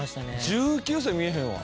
１９歳に見えへんわ。